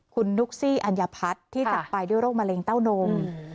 คุณนุ๊กซี่อัญพัฒน์ที่จากไปด้วยโรคมะเร็งเต้านม